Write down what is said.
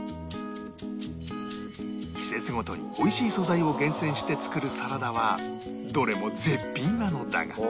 季節ごとにおいしい素材を厳選して作るサラダはどれも絶品なのだが